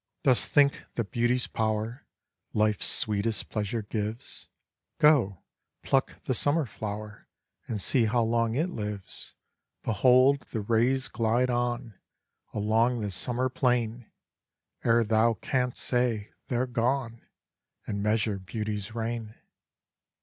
Dost think that beauty's power, Life's sweetest pleasure gives? Go, pluck the summer flower, And see how long it lives: Behold, the rays glide on, Along the summer plain, Ere thou canst say, they're gone,— And measure beauty's reign.